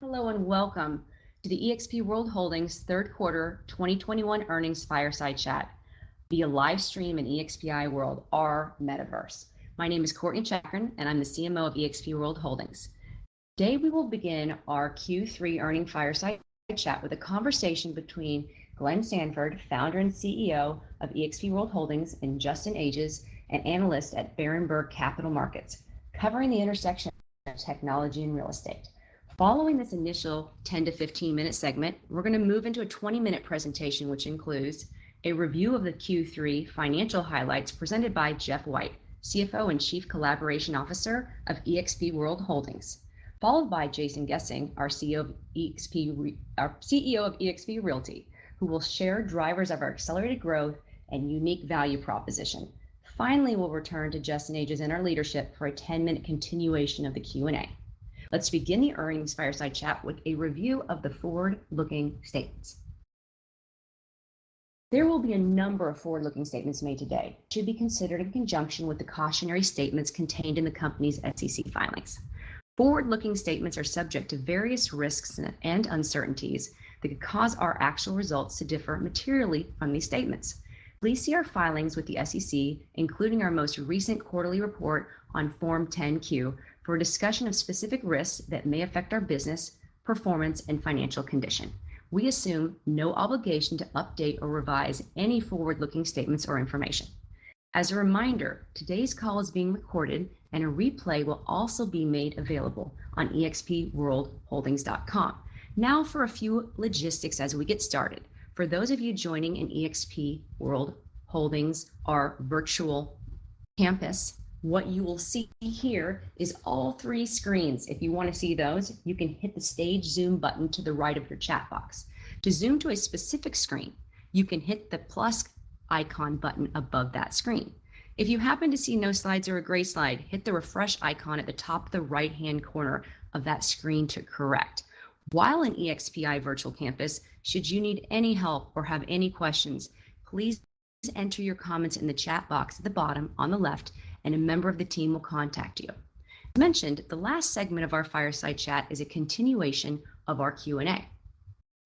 Hello and welcome to the eXp World Holdings Q3 2021 earnings fireside chat, via live stream in eXp World, our metaverse. My name is Courtney Chakarun, and I'm the CMO of eXp World Holdings. Today we will begin our Q3 earnings fireside chat with a conversation between Glenn Sanford, Founder and CEO of eXp World Holdings, and Justin Ages, an analyst at Berenberg Capital Markets, covering the intersection of technology and real estate. Following this initial 10-minute to 15-minute segment, we're gonna move into a 20-minute presentation, which includes a review of the Q3 financial highlights presented by Jeff Whiteside, CFO and Chief Collaboration Officer of eXp World Holdings, followed by Jason Gesing, our CEO of eXp Realty, who will share drivers of our accelerated growth and unique value proposition. Finally, we'll return to Justin Ages and our leadership for a 10-minute continuation of the Q&A. Let's begin the earnings fireside chat with a review of the forward-looking statements. There will be a number of forward-looking statements made today. Should be considered in conjunction with the cautionary statements contained in the company's SEC filings. Forward-looking statements are subject to various risks and uncertainties that could cause our actual results to differ materially from these statements. Please see our filings with the SEC, including our most recent quarterly report on Form 10-Q, for a discussion of specific risks that may affect our business, performance, and financial condition. We assume no obligation to update or revise any forward-looking statements or information. As a reminder, today's call is being recorded and a replay will also be made available on expworldholdings.com. Now for a few logistics as we get started. For those of you joining in eXp World, our virtual campus, what you will see here is all three screens. If you wanna see those, you can hit the stage zoom button to the right of your chat box. To zoom to a specific screen, you can hit the plus icon button above that screen. If you happen to see no slides or a gray slide, hit the refresh icon at the top, the right-hand corner of that screen to correct. While in eXp Virtual Campus, should you need any help or have any questions, please enter your comments in the chat box at the bottom on the left and a member of the team will contact you. As mentioned, the last segment of our fireside chat is a continuation of our Q&A.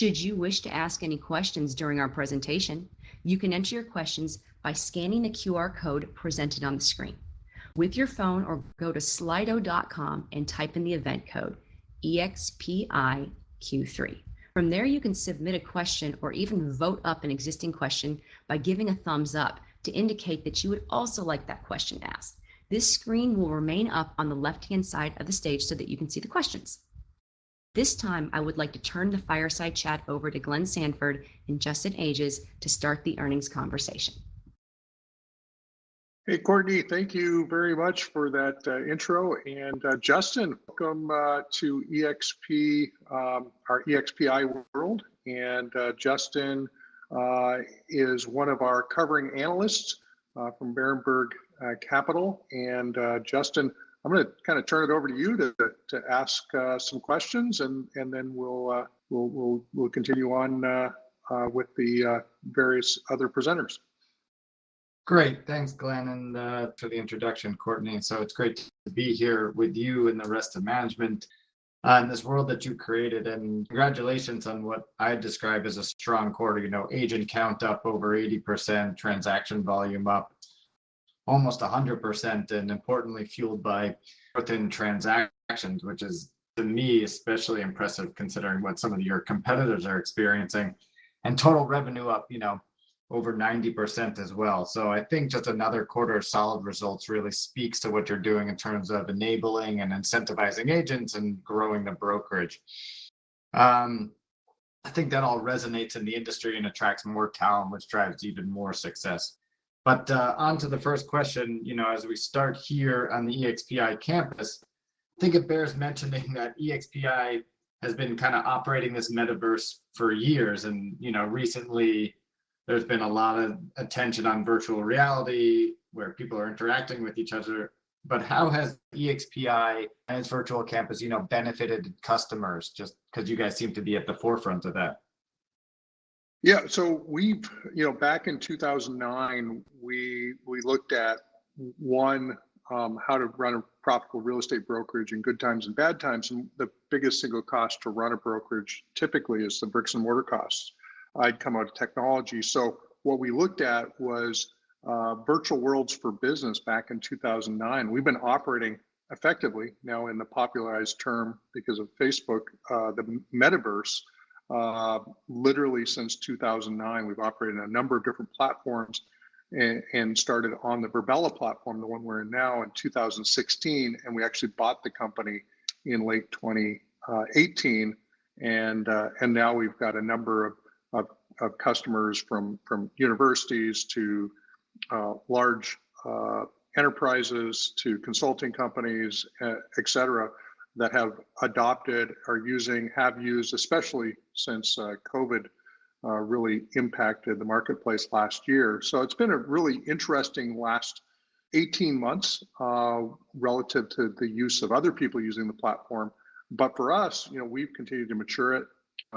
Should you wish to ask any questions during our presentation, you can enter your questions by scanning the QR code presented on the screen. With your phone, or go to slido.com and type in the event code EXPIQ3. From there, you can submit a question or even vote up an existing question by giving a thumbs up to indicate that you would also like that question asked. This screen will remain up on the left-hand side of the stage so that you can see the questions. This time, I would like to turn the fireside chat over to Glenn Sanford and Justin Ages to start the earnings conversation. Hey, Courtney. Thank you very much for that intro and, Justin, welcome to eXp, our eXp World. Justin is one of our covering analysts from Berenberg Capital. I'm gonna kinda turn it over to you to ask some questions and then we'll continue on with the various other presenters. Great. Thanks, Glenn, and for the introduction, Courtney. It's great to be here with you and the rest of management on this world that you created, and congratulations on what I describe as a strong quarter, you know, agent count up over 80%, transaction volume up almost 100%, and importantly fueled by within transactions, which is, to me, especially impressive considering what some of your competitors are experiencing. Total revenue up, you know, over 90% as well. I think just another quarter of solid results really speaks to what you're doing in terms of enabling and incentivizing agents and growing the brokerage. I think that all resonates in the industry and attracts more talent, which drives even more success. Onto the first question, you know, as we start here on the eXp campus, I think it bears mentioning that eXp has been kinda operating this metaverse for years. You know, recently there's been a lot of attention on virtual reality, where people are interacting with each other. How has eXp and its virtual campus, you know, benefited customers just 'cause you guys seem to be at the forefront of that? Yeah. We've, you know, back in 2009, we looked at how to run a profitable real estate brokerage in good times and bad times, and the biggest single cost to run a brokerage typically is the bricks-and-mortar costs. I'd come out of technology, so what we looked at was virtual worlds for business back in 2009. We've been operating effectively, now in the popularized term because of Facebook, the metaverse, literally since 2009. We've operated on a number of different platforms and started on the Virbela platform, the one we're in now, in 2016, and we actually bought the company in late 2018. Now we've got a number of customers from universities to large enterprises to consulting companies, et cetera, that have adopted, are using, have used, especially since COVID really impacted the marketplace last year. It's been a really interesting last 18 months relative to the use of other people using the platform. For us, you know, we've continued to mature it.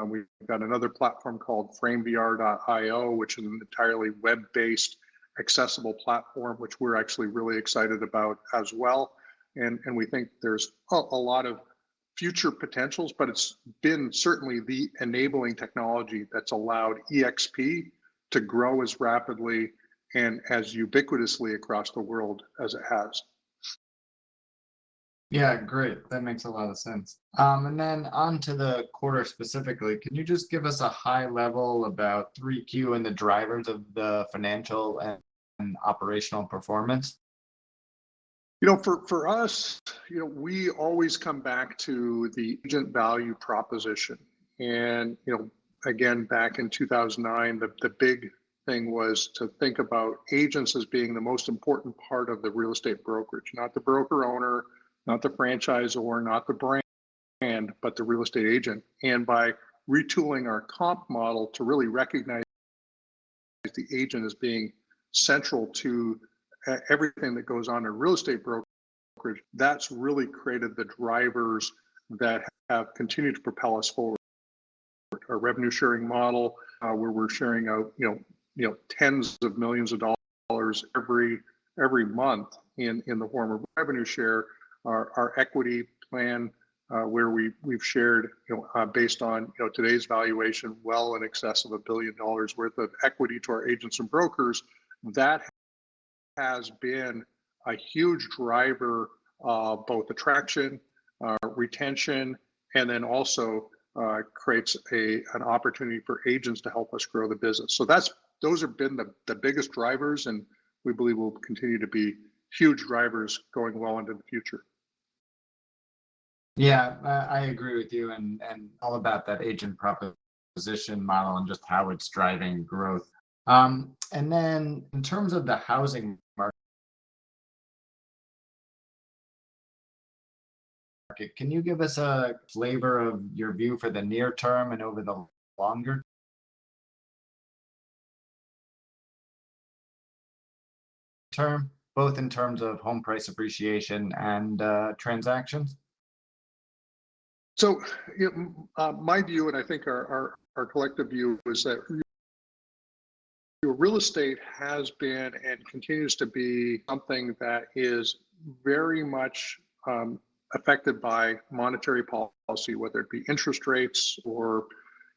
We've got another platform called framevr.io, which is an entirely web-based accessible platform, which we're actually really excited about as well. We think there's a lot of future potentials, but it's been certainly the enabling technology that's allowed eXp to grow as rapidly and as ubiquitously across the world as it has. Yeah, great. That makes a lot of sense. On to the quarter specifically, can you just give us a high level about Q3 and the drivers of the financial and operational performance? You know, for us, you know, we always come back to the agent value proposition. You know, again, back in 2009, the big thing was to think about agents as being the most important part of the real estate brokerage, not the broker owner, not the franchisor, not the brand, but the real estate agent. By retooling our comp model to really recognize the agent as being central to everything that goes on in real estate brokerage, that's really created the drivers that have continued to propel us forward. Our revenue sharing model, where we're sharing out, you know, tens of millions of dollars every month in the form of revenue share. Our equity plan, where we've shared, you know, based on, you know, today's valuation well in excess of $1 billion worth of equity to our agents and brokers. That has been a huge driver of both attraction, retention, and then also creates an opportunity for agents to help us grow the business. That's those have been the biggest drivers, and we believe will continue to be huge drivers going well into the future. Yeah. I agree with you and all about that agent proposition model and just how it's driving growth. Then in terms of the housing market, can you give us a flavor of your view for the near term and over the longer term, both in terms of home price appreciation and transactions? you know, my view, and I think our collective view is that real estate has been and continues to be something that is very much affected by monetary policy, whether it be interest rates or,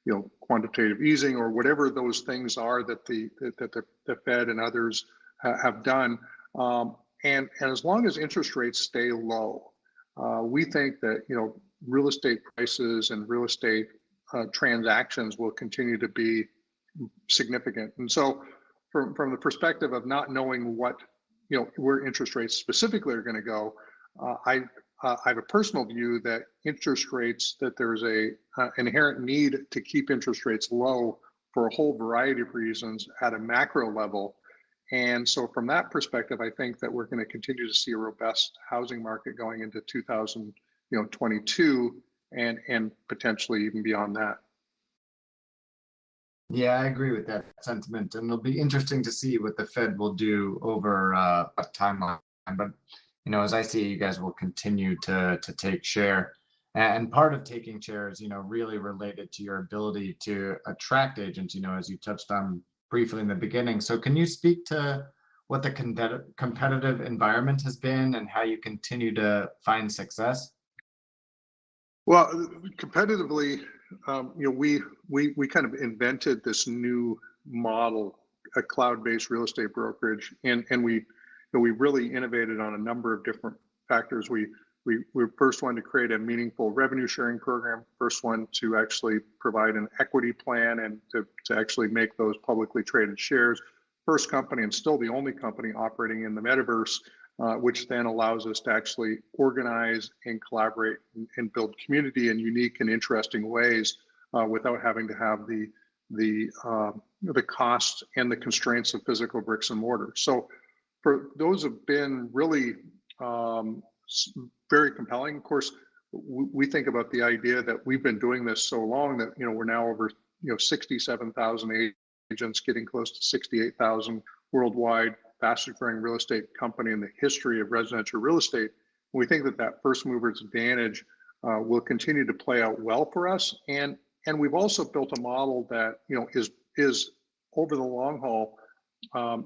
you know, quantitative easing or whatever those things are that the Fed and others have done. As long as interest rates stay low, we think that, you know, real estate prices and real estate transactions will continue to be significant. From the perspective of not knowing what, you know, where interest rates specifically are gonna go, I have a personal view that there's an inherent need to keep interest rates low for a whole variety of reasons at a macro level. From that perspective, I think that we're gonna continue to see a robust housing market going into 2022, you know, and potentially even beyond that. Yeah, I agree with that sentiment, and it'll be interesting to see what the Fed will do over a timeline. You know, as I see, you guys will continue to take share. Part of taking share is, you know, really related to your ability to attract agents, you know, as you touched on briefly in the beginning. Can you speak to what the competitive environment has been and how you continue to find success? Well, competitively, you know, we kind of invented this new model, a cloud-based real estate brokerage, and we you know, we really innovated on a number of different factors. We were first one to create a meaningful revenue sharing program, first one to actually provide an equity plan and to actually make those publicly traded shares. First company and still the only company operating in the metaverse, which then allows us to actually organize and collaborate and build community in unique and interesting ways, without having to have the you know, the costs and the constraints of physical bricks and mortar. Those have been really very compelling. Of course, we think about the idea that we've been doing this so long that, you know, we're now over, you know, 67,000 agents, getting close to 68,000 worldwide, fastest growing real estate company in the history of residential real estate. We think that that first mover's advantage will continue to play out well for us. We've also built a model that, you know, is over the long haul,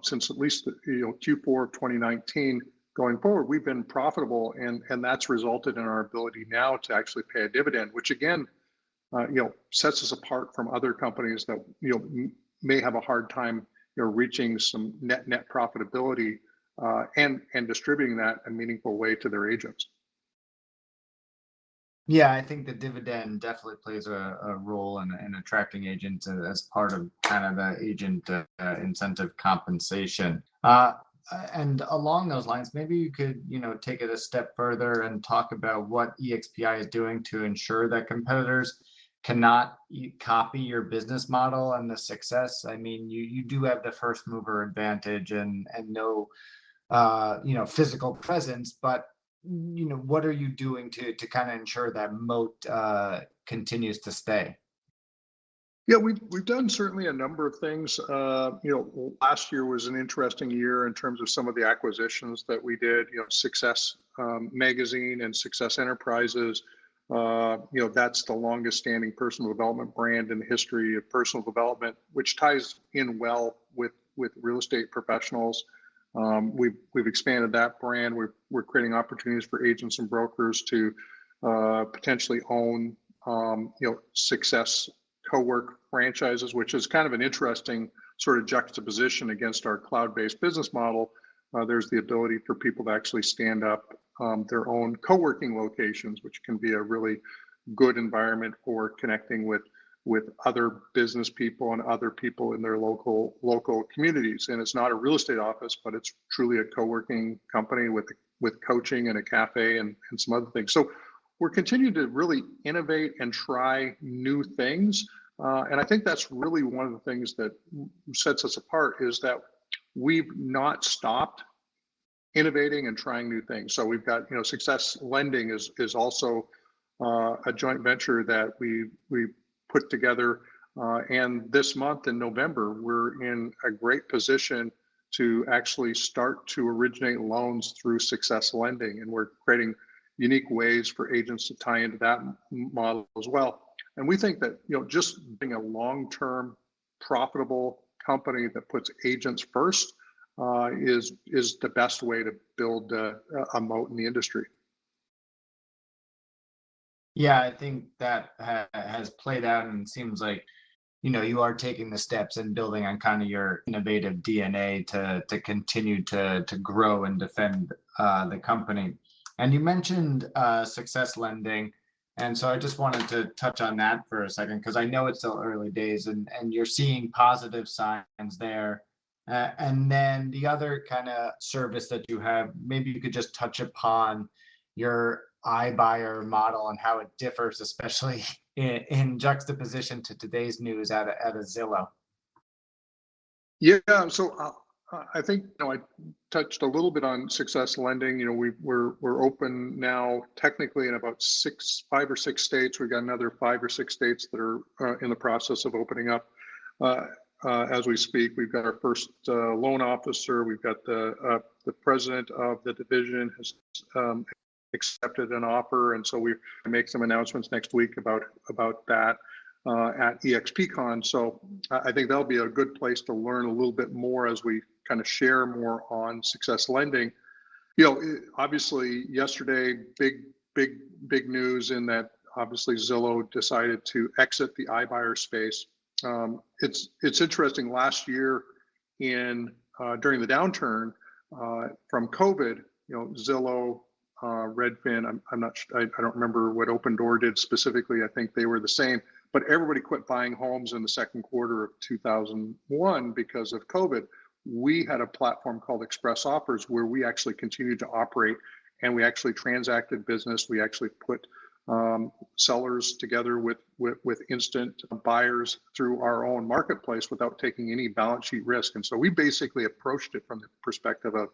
since at least, you know, Q4 of 2019 going forward, we've been profitable and that's resulted in our ability now to actually pay a dividend, which again, you know, sets us apart from other companies that, you know, may have a hard time, you know, reaching some net profitability, and distributing that in a meaningful way to their agents. Yeah. I think the dividend definitely plays a role in attracting agents as part of kind of an agent incentive compensation. Along those lines, maybe you could, you know, take it a step further and talk about what eXp is doing to ensure that competitors cannot copy your business model and the success. I mean, you do have the first mover advantage and no physical presence, but, you know, what are you doing to kind of ensure that moat continues to stay? Yeah, we've done certainly a number of things. You know, well, last year was an interesting year in terms of some of the acquisitions that we did. You know, SUCCESS Magazine and SUCCESS Enterprises, you know, that's the longest standing personal development brand in the history of personal development, which ties in well with real estate professionals. We've expanded that brand. We're creating opportunities for agents and brokers to potentially own SUCCESS Space franchises, which is kind of an interesting sort of juxtaposition against our cloud-based business model. There's the ability for people to actually stand up their own coworking locations, which can be a really good environment for connecting with other business people and other people in their local communities. It's not a real estate office, but it's truly a coworking company with coaching and a cafe and some other things. We're continuing to really innovate and try new things. I think that's really one of the things that sets us apart is that we've not stopped innovating and trying new things. We've got, you know, SUCCESS Lending is also a joint venture that we put together. This month in November, we're in a great position to actually start to originate loans through SUCCESS Lending, and we're creating unique ways for agents to tie into that model as well. We think that, you know, just being a long-term profitable company that puts agents first is the best way to build a moat in the industry. Yeah, I think that has played out and seems like, you know, you are taking the steps and building on kind of your innovative DNA to continue to grow and defend the company. You mentioned SUCCESS Lending, so I just wanted to touch on that for a second because I know it's still early days and you're seeing positive signs there. Then the other kinda service that you have, maybe you could just touch upon your iBuyer model and how it differs, especially in juxtaposition to today's news out of Zillow. Yeah. I think, you know, I touched a little bit on SUCCESS Lending. You know, we're open now technically in about five or six states. We've got another five or six states that are in the process of opening up as we speak. We've got our first loan officer. We've got the president of the division has accepted an offer, and so we make some announcements next week about that at EXPCON. I think that'll be a good place to learn a little bit more as we kind of share more on SUCCESS Lending. You know, obviously yesterday, big news in that obviously Zillow decided to exit the iBuyer space. It's interesting. Last year, during the downturn from COVID, you know, Zillow, Redfin, I'm not sure. I don't remember what Opendoor did specifically. I think they were the same. Everybody quit buying homes in the second quarter of 2020 because of COVID. We had a platform called ExpressOffer where we actually continued to operate and we actually transacted business. We actually put sellers together with instant buyers through our own marketplace without taking any balance sheet risk. We basically approached it from the perspective of,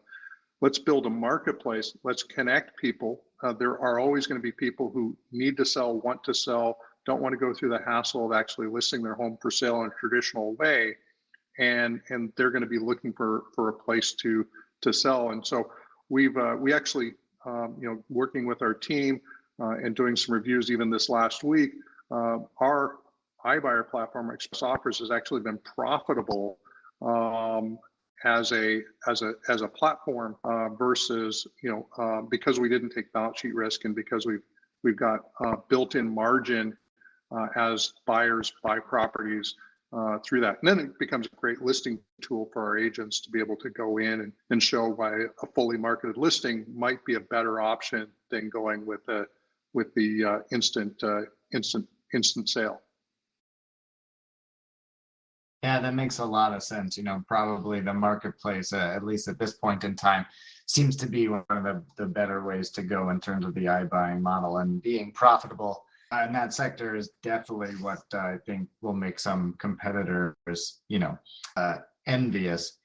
let's build a marketplace, let's connect people. There are always gonna be people who need to sell, want to sell, don't want to go through the hassle of actually listing their home for sale in a traditional way, and they're gonna be looking for a place to sell. We actually, you know, working with our team and doing some reviews even this last week, our iBuyer platform, ExpressOffers, has actually been profitable as a platform versus, you know, because we didn't take balance sheet risk and because we've got built-in margin as buyers buy properties through that. It becomes a great listing tool for our agents to be able to go in and show why a fully marketed listing might be a better option than going with the instant sale. Yeah, that makes a lot of sense. You know, probably the marketplace, at least at this point in time, seems to be one of the better ways to go in terms of the iBuyer model and being profitable. That sector is definitely what I think will make some competitors, you know, envious.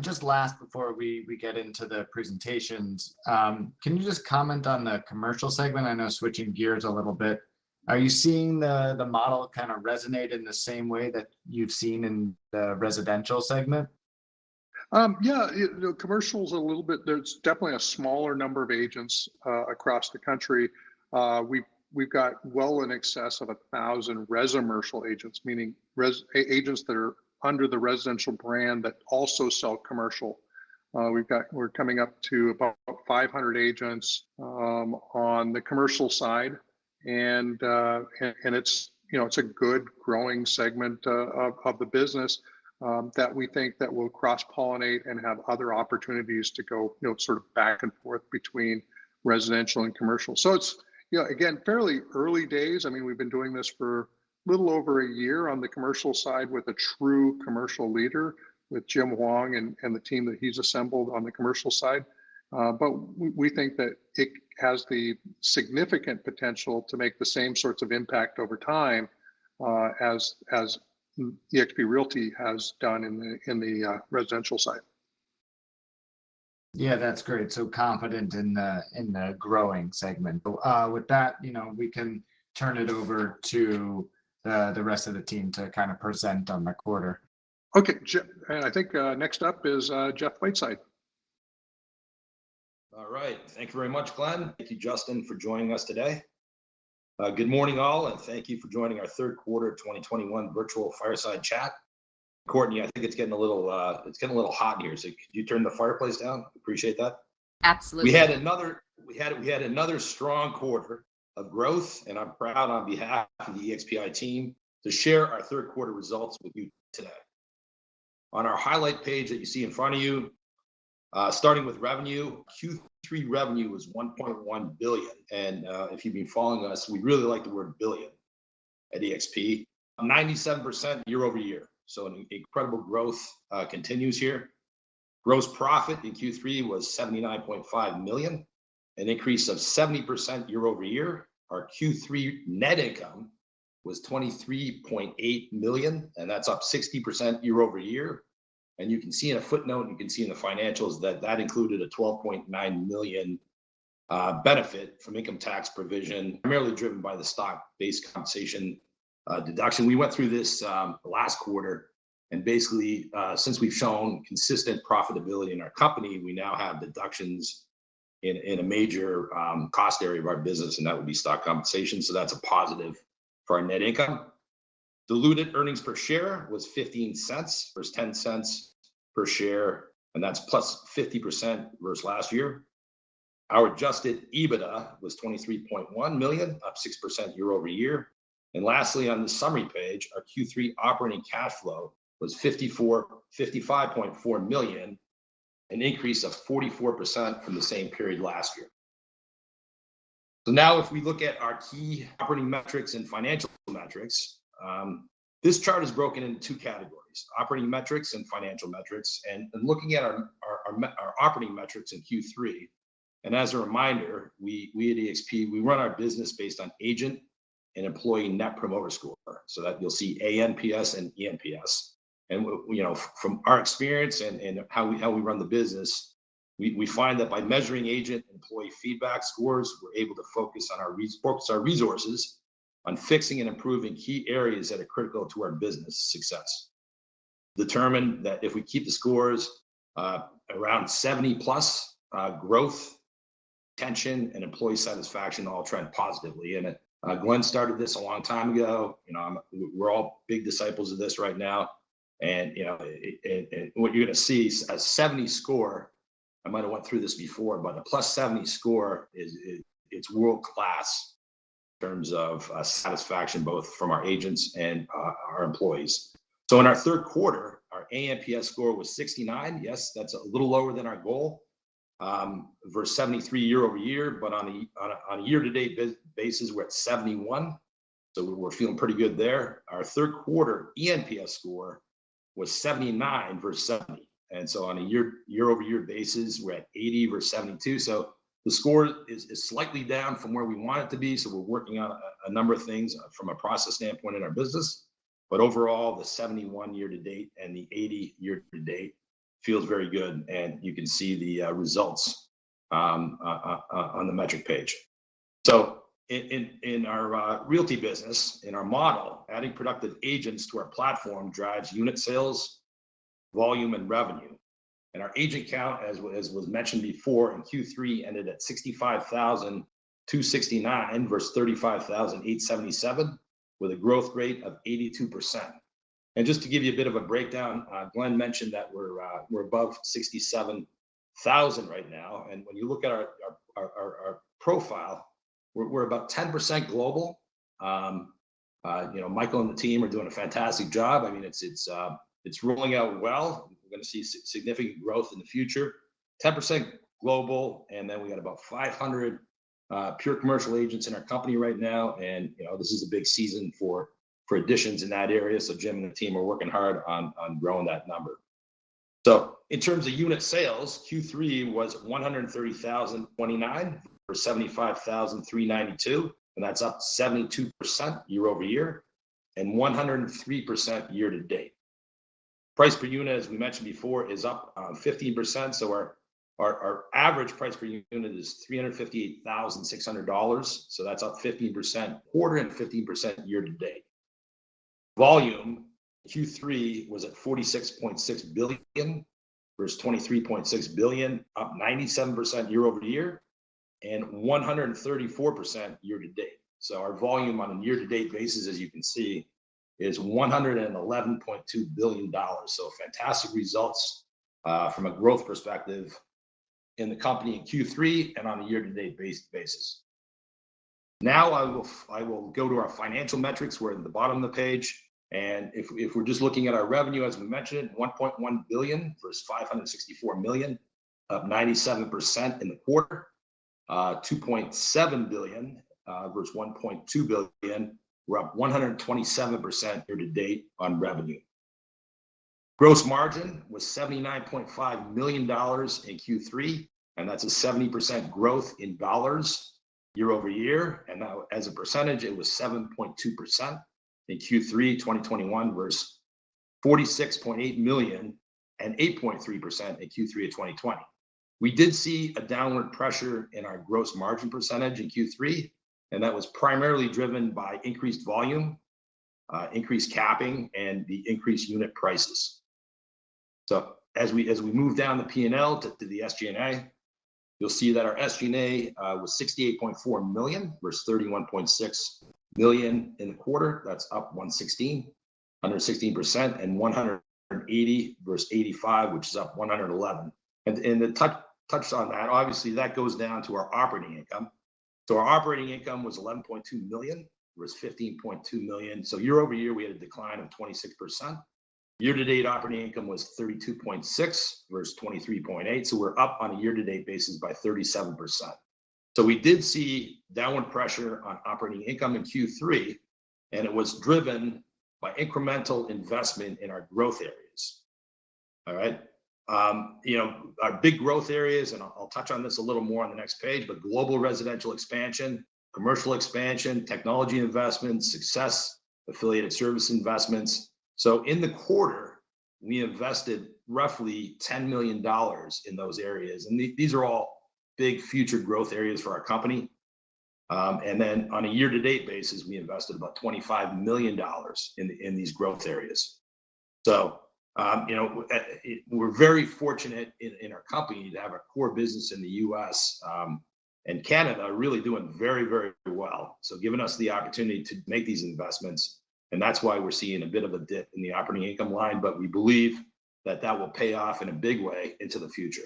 Just last before we get into the presentations, can you just comment on the commercial segment? I know, switching gears a little bit. Are you seeing the model kind of resonate in the same way that you've seen in the residential segment? Yeah, you know, commercial's a little bit. There's definitely a smaller number of agents across the country. We've got well in excess of 1,000 resimercial agents, meaning residential agents that are under the residential brand but also sell commercial. We're coming up to about 500 agents on the commercial side. It's a good growing segment of the business that we think will cross-pollinate and have other opportunities to go, you know, sort of back and forth between residential and commercial. It's, you know, again, fairly early days. I mean, we've been doing this for a little over a year on the commercial side with a true commercial leader, with Jim Huang and the team that he's assembled on the commercial side. We think that it has the significant potential to make the same sorts of impact over time, as eXp Realty has done in the residential side. Yeah, that's great. Confident in the growing segment. With that, you know, we can turn it over to the rest of the team to kind of present on the quarter. Okay. I think next up is Jeff Whiteside. All right. Thank you very much, Glenn. Thank you, Justin, for joining us today. Good morning, all, and thank you for joining our third quarter 2021 virtual fireside chat. Courtney, I think it's getting a little hot in here. Could you turn the fireplace down? Appreciate that. Absolutely. We had another strong quarter of growth, and I'm proud on behalf of the eXp World team to share our third quarter results with you today. On our highlight page that you see in front of you, starting with revenue, Q3 revenue was $1.1 billion. If you've been following us, we really like the word billion at eXp. 97% year-over-year, so an incredible growth continues here. Gross profit in Q3 was $79.5 million, an increase of 70% year-over-year. Our Q3 net income was $23.8 million, and that's up 60% year-over-year. You can see in a footnote and in the financials that that included a $12.9 million benefit from income tax provision, primarily driven by the stock-based compensation deduction. We went through this last quarter, and basically, since we've shown consistent profitability in our company, we now have deductions in a major cost area of our business, and that would be stock compensation. That's a positive for our net income. Diluted earnings per share was $0.15 versus $0.10 per share, and that's +50% versus last year. Our adjusted EBITDA was $23.1 million, up 6% year-over-year. Lastly, on the summary page, our Q3 operating cash flow was $55.4 million, an increase of 44% from the same period last year. Now if we look at our key operating metrics and financial metrics, this chart is broken into two categories, operating metrics and financial metrics. In looking at our operating metrics in Q3, and as a reminder, we at eXp run our business based on agent and employee net promoter score, so that you'll see ANPS and ENPS. You know, from our experience and how we run the business, we find that by measuring agent and employee feedback scores, we're able to focus our resources on fixing and improving key areas that are critical to our business success. We determine that if we keep the scores around 70 plus, growth, retention, and employee satisfaction all trend positively. Glenn started this a long time ago. You know, we're all big disciples of this right now. You know, it—what you're gonna see, a 70 score. I might have went through this before, but a +70 score is world-class in terms of satisfaction, both from our agents and our employees. In our third quarter, our ANPS score was 69. Yes, that's a little lower than our goal versus 73 year-over-year. On a year-to-date basis, we're at 71, so we're feeling pretty good there. Our Q3 ENPS score was 79 versus 70. On a year-over-year basis, we're at 80 versus 72. The score is slightly down from where we want it to be, so we're working on a number of things from a process standpoint in our business. Overall, the 71% year to date and the 80% year to date feels very good, and you can see the results on the metric page. In our realty business, in our model, adding productive agents to our platform drives unit sales, volume, and revenue. Our agent count, as was mentioned before in Q3, ended at 65,269 versus 35,877, with a growth rate of 82%. Just to give you a bit of a breakdown, Glenn mentioned that we're above 67,000 right now. When you look at our profile, we're about 10% global. You know, Michael and the team are doing a fantastic job. I mean, it's rolling out well. We're gonna see significant growth in the future. 10% global, and then we got about 500 pure commercial agents in our company right now. You know, this is a big season for additions in that area, so Jim and the team are working hard on growing that number. In terms of unit sales, Q3 was 130,029 versus 75,392, and that's up 72% year-over-year and 103% year-to-date. Price per unit, as we mentioned before, is up 15%, so our average price per unit is $358,600. That's up 15% quarter and 15% year-to-date. Volume, Q3 was at $46.6 billion versus $23.6 billion, up 97% year-over-year and 134% year to date. Our volume on a year-to-date basis, as you can see, is $111.2 billion. Fantastic results from a growth perspective in the company in Q3 and on a year-to-date basis. Now I will go to our financial metrics. We're in the bottom of the page. If we're just looking at our revenue, as we mentioned, $1.1 billion versus $564 million, up 97% in the quarter. $2.7 billion versus $1.2 billion. We're up 127% year to date on revenue. Gross margin was $79.5 million in Q3, and that's a 70% growth in dollars year over year. Now as a percentage, it was 7.2% in Q3 2021 versus $46.8 million and 8.3% in Q3 of 2020. We did see a downward pressure in our gross margin percentage in Q3, and that was primarily driven by increased volume, increased capping, and the increased unit prices. As we move down the P&L to the SG&A, you'll see that our SG&A was $68.4 million versus $31.6 million in the quarter. That's up 116% and 180 versus 85, which is up 111%. To touch on that, obviously that goes down to our operating income. Our operating income was $11.2 million versus $15.2 million. Year over year, we had a decline of 26%. Year-to-date operating income was $32.6 versus $23.8, so we're up on a year-to-date basis by 37%. We did see downward pressure on operating income in Q3, and it was driven by incremental investment in our growth areas. All right? You know, our big growth areas, and I'll touch on this a little more on the next page, but global residential expansion, commercial expansion, technology investments, SUCCESS, affiliated service investments. In the quarter, we invested roughly $10 million in those areas, and these are all big future growth areas for our company. On a year-to-date basis, we invested about $25 million in these growth areas. you know, we're very fortunate in our company to have a core business in the U.S. and Canada really doing very, very well. Giving us the opportunity to make these investments, and that's why we're seeing a bit of a dip in the operating income line. We believe that will pay off in a big way into the future.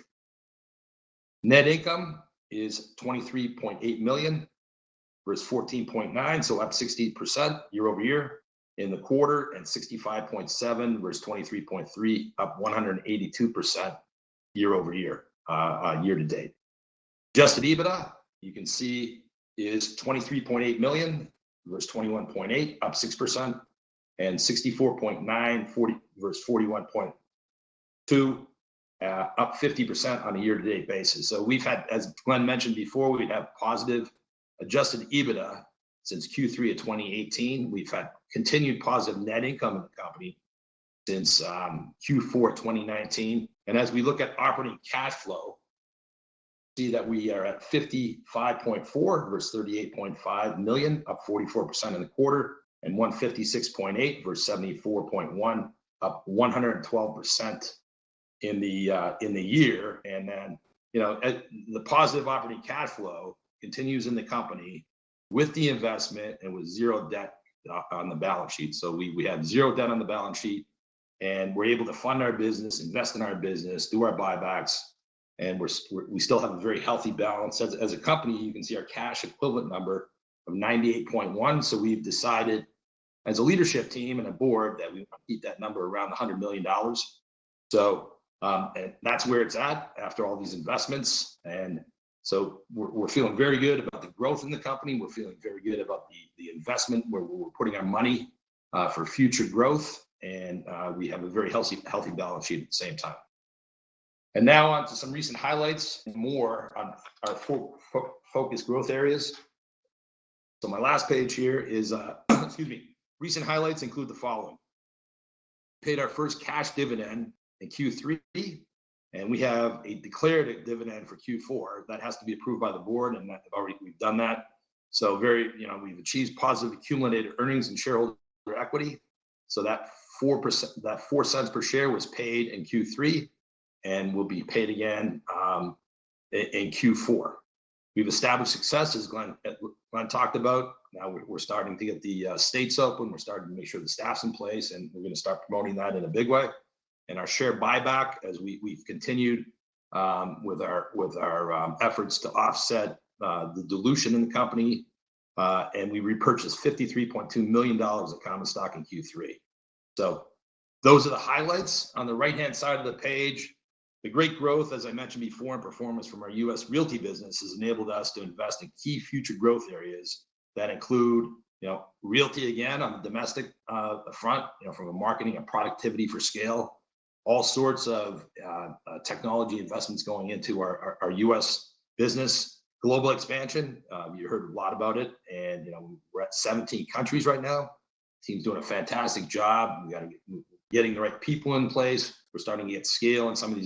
Net income is $23.8 million versus $14.9 million, so up 60% year-over-year in the quarter, and $65.7 million versus $23.3 million, up 182% year-over-year year to date. Adjusted EBITDA, you can see is $23.8 million versus $21.8 million, up 6%, and $64.9 million versus $41.2 million, up 50% on a year-to-date basis. We've had, as Glenn mentioned before, we've had positive adjusted EBITDA since Q3 of 2018. We've had continued positive net income in the company since Q4 of 2019. As we look at operating cash flow, see that we are at $55.4 million versus $38.5 million, up 44% in the quarter, and $156.8 million versus $74.1 million, up 112% in the year. You know, the positive operating cash flow continues in the company with the investment and with zero debt on the balance sheet. We have zero debt on the balance sheet, and we're able to fund our business, invest in our business, do our buybacks, and we still have a very healthy balance. As a company, you can see our cash equivalent number of $98.1 million. We've decided as a leadership team and a board that we wanna keep that number around $100 million. That's where it's at after all these investments. We're feeling very good about the growth in the company. We're feeling very good about the investment, where we're putting our money, for future growth. We have a very healthy balance sheet at the same time. Now on to some recent highlights, more on our focused growth areas. My last page here is, excuse me. Recent highlights include the following. Paid our first cash dividend in Q3, and we have declared a dividend for Q4. That has to be approved by the board, and that already we've done that. Very, you know, we've achieved positive accumulated earnings and shareholder equity. That $0.04 share was paid in Q3 and will be paid again in Q4. We've established SUCCESS, as Glenn talked about. Now we're starting to get the states open. We're starting to make sure the staff's in place, and we're gonna start promoting that in a big way. Our share buyback as we've continued with our efforts to offset the dilution in the company and we repurchased $53.2 million of common stock in Q3. Those are the highlights. On the right-hand side of the page, the great growth, as I mentioned before, and performance from our U.S. realty business has enabled us to invest in key future growth areas that include, you know, realty again on the domestic front, you know, from a marketing and productivity for scale. All sorts of technology investments going into our U.S. business. Global expansion, you heard a lot about it and, you know, we're at 17 countries right now. Team's doing a fantastic job. We gotta get the right people in place. We're starting to get scale in some of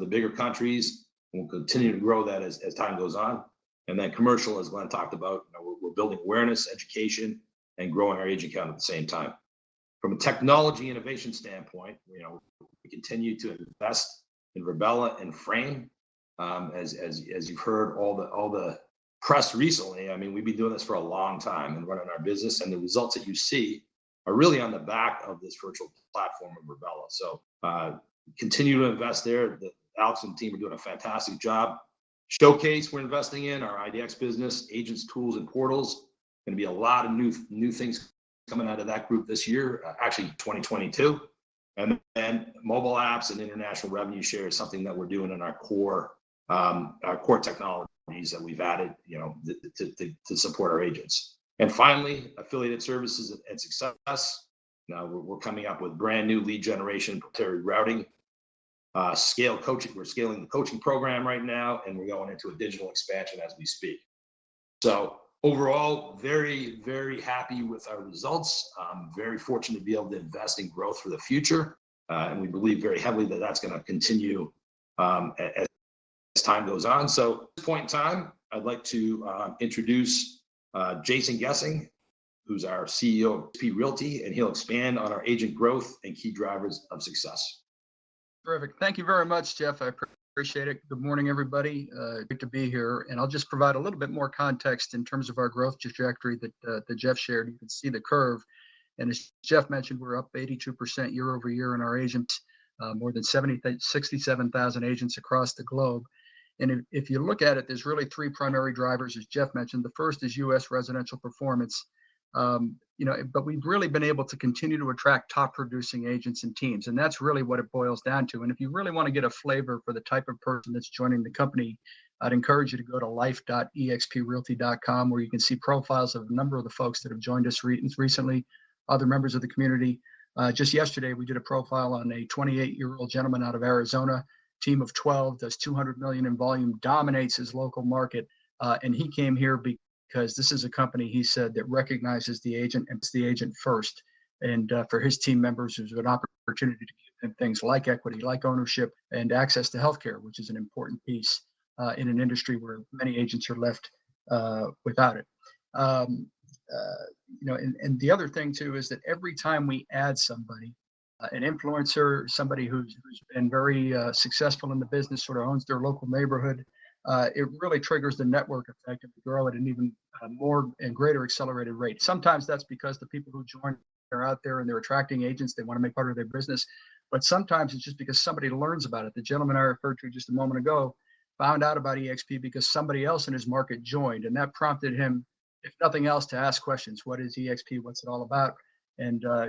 the bigger countries, and we'll continue to grow that as time goes on. Then Commercial, as Glenn talked about. You know, we're building awareness, education, and growing our agent count at the same time. From a technology innovation standpoint, you know, we continue to invest in Virbela and FRAME. As you've heard all the press recently, I mean, we've been doing this for a long time and running our business, and the results that you see are really on the back of this virtual platform of Virbela. Continue to invest there. Alex and team are doing a fantastic job. Showcase, we're investing in our IDX business, agents, tools, and portals. Gonna be a lot of new things coming out of that group this year. Actually 2022. Then mobile apps and international revenue share is something that we're doing in our core technologies that we've added to support our agents. Finally, affiliated services at Success. We're coming up with brand-new lead generation and proprietary routing. Scale coaching. We're scaling the coaching program right now, and we're going into a digital expansion as we speak. Overall, very, very happy with our results. Very fortunate to be able to invest in growth for the future, and we believe very heavily that that's gonna continue, as time goes on. At this point in time, I'd like to introduce Jason Gesing, who's our CEO of eXp Realty, and he'll expand on our agent growth and key drivers of success. Terrific. Thank you very much, Jeff. I appreciate it. Good morning, everybody. Good to be here. I'll just provide a little bit more context in terms of our growth trajectory that that Jeff shared. You can see the curve. As Jeff mentioned, we're up 82% year-over-year in our agents, more than 67,000 agents across the globe. If you look at it, there's really three primary drivers, as Jeff mentioned. The first is U.S. residential performance. You know, but we've really been able to continue to attract top-producing agents and teams, and that's really what it boils down to. If you really wanna get a flavor for the type of person that's joining the company, I'd encourage you to go to life.exprealty.com, where you can see profiles of a number of the folks that have joined us recently, other members of the community. Just yesterday, we did a profile on a 28-year-old gentleman out of Arizona, team of 12, does $200 million in volume, dominates his local market. He came here because this is a company, he said, that recognizes the agent and it's the agent first. For his team members, there's an opportunity to give them things like equity, like ownership, and access to healthcare, which is an important piece in an industry where many agents are left without it. You know, the other thing too is that every time we add somebody, an influencer, somebody who's been very successful in the business, sort of owns their local neighborhood, it really triggers the network effect and can grow at an even more and greater accelerated rate. Sometimes that's because the people who join are out there and they're attracting agents they wanna make part of their business, but sometimes it's just because somebody learns about it. The gentleman I referred to just a moment ago found out about eXp because somebody else in his market joined, and that prompted him, if nothing else, to ask questions. What is eXp? What's it all about?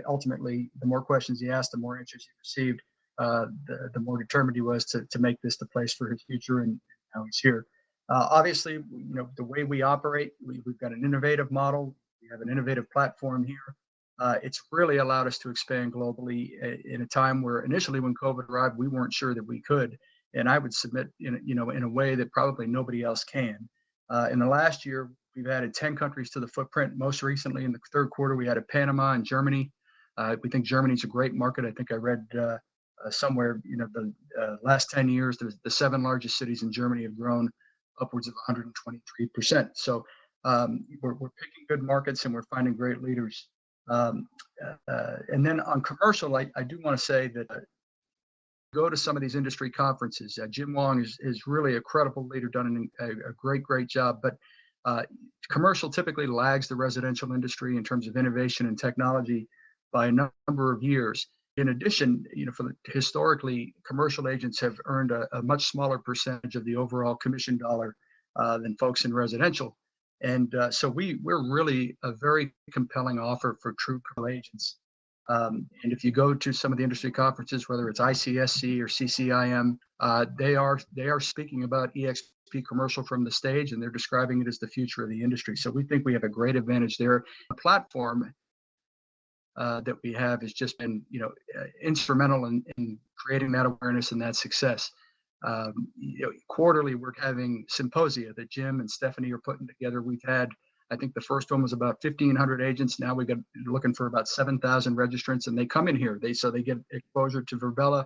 Ultimately, the more questions he asked, the more answers he received, the more determined he was to make this the place for his future, and now he's here. Obviously, you know, the way we operate, we've got an innovative model. We have an innovative platform here. It's really allowed us to expand globally in a time where initially when COVID arrived, we weren't sure that we could, and I would submit, you know, in a way that probably nobody else can. In the last year, we've added 10 countries to the footprint. Most recently, in the third quarter, we added Panama and Germany. We think Germany's a great market. I think I read somewhere, you know, the last 10 years, the seven largest cities in Germany have grown upwards of 123%. We're picking good markets, and we're finding great leaders. On commercial, I do wanna say, go to some of these industry conferences. Jim Huang is really a credible leader, done a great job. Commercial typically lags the residential industry in terms of innovation and technology by a number of years. In addition, you know, historically, commercial agents have earned a much smaller percentage of the overall commission dollar than folks in residential. So we're really a very compelling offer for true commercial agents. If you go to some of the industry conferences, whether it's ICSC or CCIM, they are speaking about eXp Commercial from the stage, and they're describing it as the future of the industry. We think we have a great advantage there. The platform that we have has just been, you know, instrumental in creating that awareness and that success. You know, quarterly, we're having symposia that Jim and Stephanie are putting together. We've had, I think the first one was about 1,500 agents. Now looking for about 7,000 registrants, and they come in here. They get exposure to Virbela.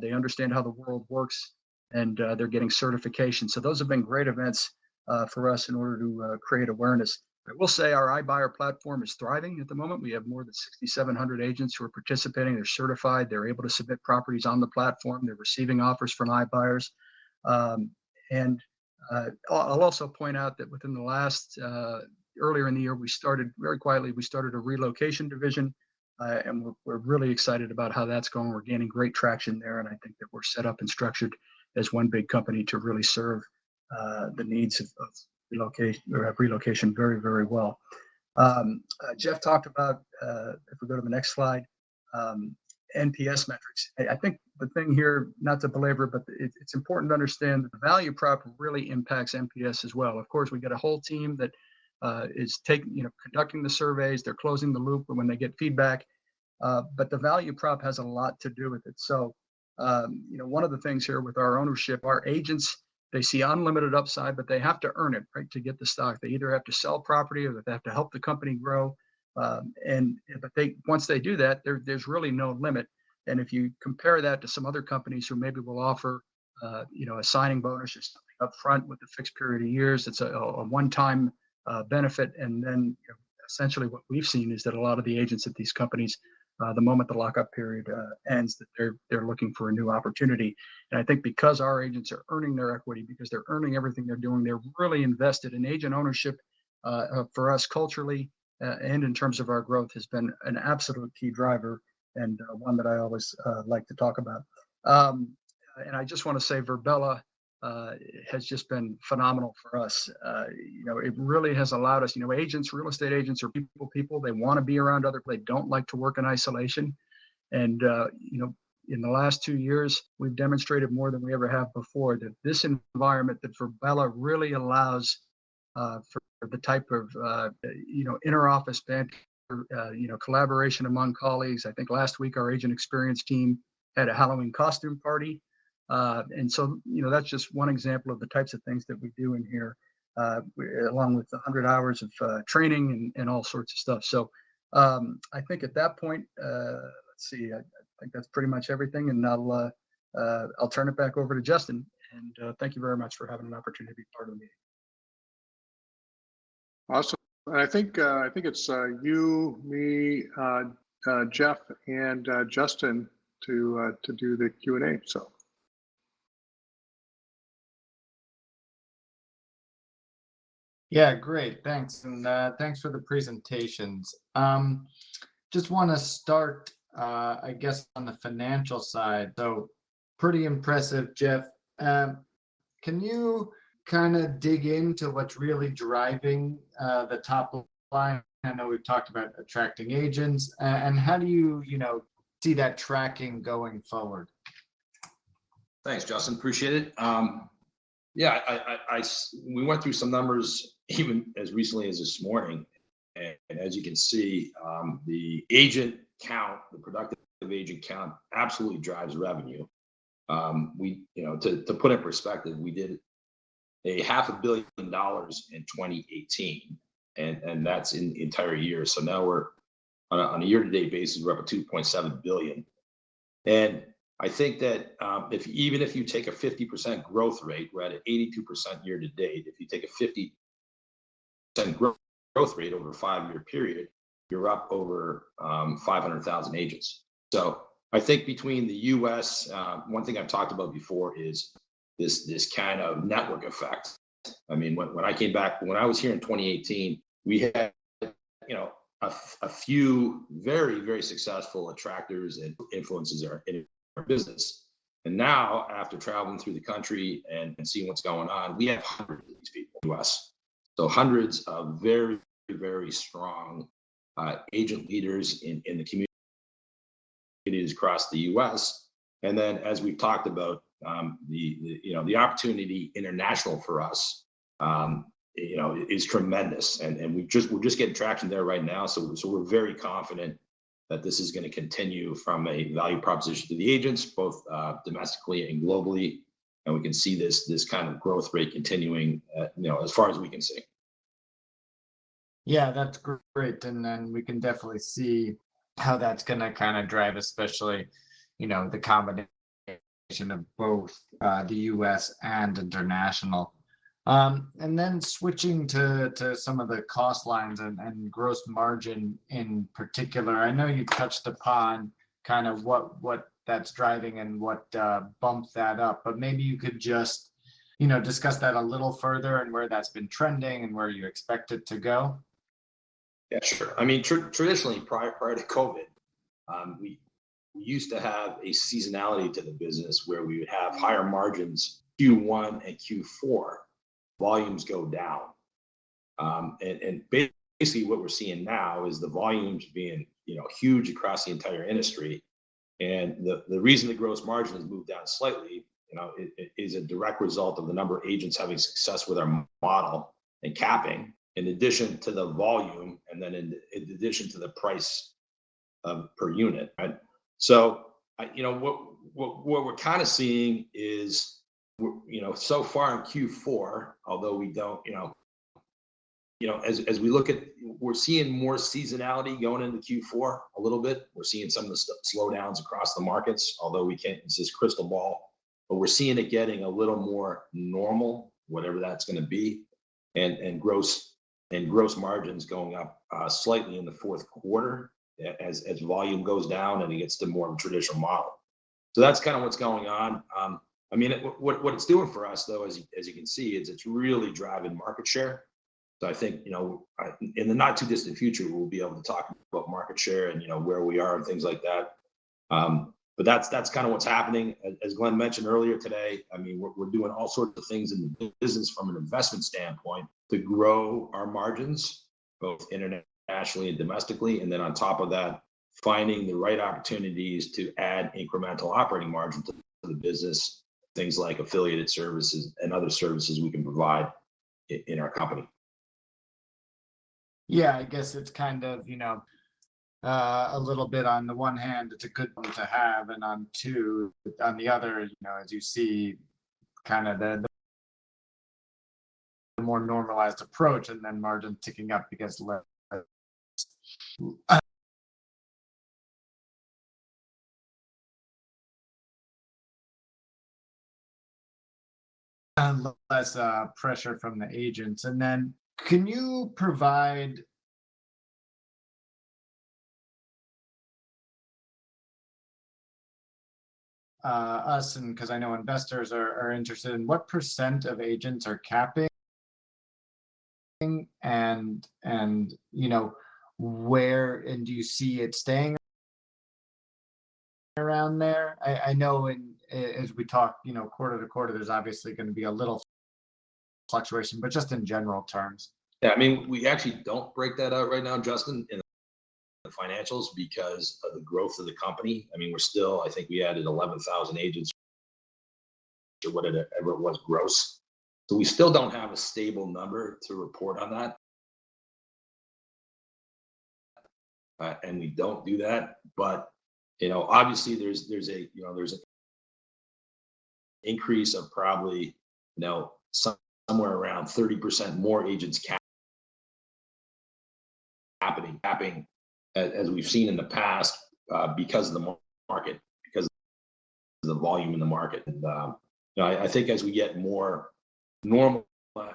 They understand how the world works, and they're getting certification. Those have been great events for us in order to create awareness. I will say our iBuyer platform is thriving at the moment. We have more than 6,700 agents who are participating. They're certified. They're able to submit properties on the platform. They're receiving offers from iBuyers. I'll also point out that earlier in the year, we started very quietly a relocation division, and we're really excited about how that's going. We're gaining great traction there, and I think that we're set up and structured as one big company to really serve the needs of relocation very, very well. Jeff talked about, if we go to the next slide, NPS metrics. I think the thing here, not to belabor, but it's important to understand that the value prop really impacts NPS as well. Of course, we got a whole team that is you know conducting the surveys. They're closing the loop when they get feedback, but the value prop has a lot to do with it. You know, one of the things here with our ownership, our agents, they see unlimited upside, but they have to earn it, right? To get the stock. They either have to sell property, or they have to help the company grow. They, once they do that, there's really no limit. If you compare that to some other companies who maybe will offer, you know, a signing bonus or something upfront with a fixed period of years, it's a one-time benefit. You know, essentially what we've seen is that a lot of the agents at these companies, the moment the lock-up period ends, that they're looking for a new opportunity. I think because our agents are earning their equity, because they're earning everything they're doing, they're really invested in agent ownership. For us culturally and in terms of our growth, it has been an absolute key driver and one that I always like to talk about. I just wanna say Virbela has just been phenomenal for us. You know, it really has allowed us, you know, agents, real estate agents are people. They wanna be around other people. They don't like to work in isolation. You know, in the last two years, we've demonstrated more than we ever have before that this environment that Virbela really allows for the type of, you know, interoffice banter, you know, collaboration among colleagues. I think last week our agent experience team had a Halloween costume party. You know, that's just one example of the types of things that we do in here, along with the 100 hours of training and all sorts of stuff. So, I think at that point, I think that's pretty much everything, and I'll turn it back over to Justin. Thank you very much for having an opportunity to be part of the meeting. Awesome. I think it's you, me, Jeff, and Justin to do the Q&A, so. Yeah, great. Thanks. Thanks for the presentations. Just wanna start, I guess on the financial side. Pretty impressive, Jeff. Can you kind of dig into what's really driving the top of the line? I know we've talked about attracting agents. How do you know, see that tracking going forward? Thanks, Justin. Appreciate it. Yeah, I, We went through some numbers even as recently as this morning, and as you can see, the agent count, the productive agent count absolutely drives revenue. We, you know, to put it in perspective, we did half a billion dollars in 2018, and that's in the entire year. Now we're on a year-to-date basis, we're up to $2.7 billion. I think that, if even if you take a 50% growth rate, we're at 82% year-to-date. If you take a 50% growth rate over a five-year period, you're up over 500,000 agents. I think between the U.S., one thing I've talked about before is this kind of network effect. I mean, when I was here in 2018, we had, you know, a few very successful attractors and influencers in our business. Now after traveling through the country and seeing what's going on, we have hundreds of these people in the U.S., so hundreds of very strong agent leaders in the communities across the U.S. Then as we've talked about, the opportunity international for us is tremendous. We're just getting traction there right now. We're very confident that this is gonna continue from a value proposition to the agents, both domestically and globally. We can see this kind of growth rate continuing as far as we can see. Yeah, that's great. We can definitely see how that's gonna kind of drive, especially, you know, the combination of both, the U.S. and international. Switching to some of the cost lines and gross margin in particular. I know you touched upon kind of what that's driving and what bumped that up, but maybe you could just, you know, discuss that a little further and where that's been trending and where you expect it to go. Yeah, sure. I mean, traditionally prior to COVID, we used to have a seasonality to the business where we would have higher margins. Q1 and Q4, volumes go down. Basically what we're seeing now is the volumes being, you know, huge across the entire industry. The reason the gross margin has moved down slightly, you know, is a direct result of the number of agents having success with our model and capping in addition to the volume and then in addition to the price per unit, right? What we're kind of seeing is we're so far in Q4, although we don't. You know, as we look at, we're seeing more seasonality going into Q4 a little bit. We're seeing some of the slowdowns across the markets, although we can't. This is crystal ball. We're seeing it getting a little more normal, whatever that's gonna be, and gross margins going up slightly in the fourth quarter as volume goes down and it gets to more traditional model. That's kind of what's going on. I mean, what it's doing for us though, as you can see, is it's really driving market share. I think, you know, in the not too distant future, we'll be able to talk about market share and, you know, where we are and things like that. That's kind of what's happening. As Glenn mentioned earlier today, I mean, we're doing all sorts of things in the business from an investment standpoint to grow our margins both internationally and domestically, and then on top of that, finding the right opportunities to add incremental operating margin to the business, things like affiliated services and other services we can provide in our company. Yeah, I guess it's kind of, you know, a little bit on the one hand, it's a good one to have, and on the other, you know, as you see kind of the more normalized approach and then margin ticking up because less pressure from the agents. Can you provide us, because I know investors are interested, in what % of agents are capping and, you know, where and do you see it staying around there? I know as we talk, you know, quarter-to-quarter, there's obviously gonna be a little fluctuation, but just in general terms. Yeah. I mean, we actually don't break that out right now, Justin, in the financials because of the growth of the company. I mean, we're still. I think we added 11,000 agents, whatever it was gross. We still don't have a stable number to report on that. We don't do that. You know, obviously there's an increase of probably, you know, somewhere around 30% more agents happening, capping as we've seen in the past, because of the market, because the volume in the market. You know, I think as we get more normal, well,